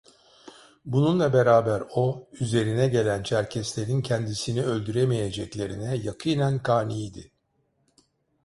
Bununla beraber o, üzerine gelen Çerkeslerin kendisini öldüremeyeceklerine yakînen kaniydi.